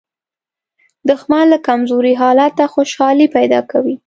دښمن له کمزوري حالته خوشالي پیدا کوي